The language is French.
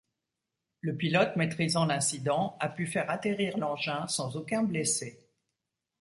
Le pilote maîtrisant l'incident, a pu faire atterrir l'engin sans aucun blessé.